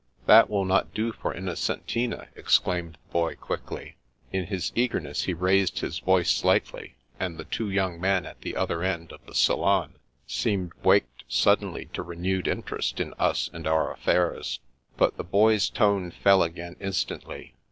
" That will not do for Innocentina," exclaimed the boy quickly. In his eagerness he raised his voice slightly, and the two young men at the other end of the salon seemed waked suddenly to renewed interest in us and our affairs. But the Boy's tone fell again instantly.